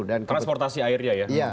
transportasi airnya ya